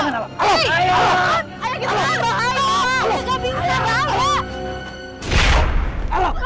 tidak ada banyak yang ingin ayo